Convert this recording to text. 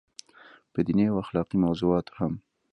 پۀ ديني او اخلاقي موضوعاتو هم